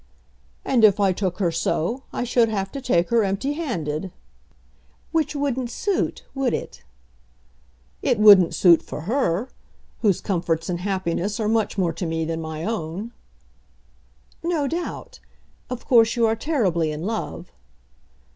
"And if I took her so, I should have to take her empty handed." "Which wouldn't suit; would it?" "It wouldn't suit for her, whose comforts and happiness are much more to me than my own." "No doubt! Of course you are terribly in love."